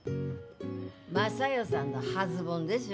雅代さんの初盆でしょ。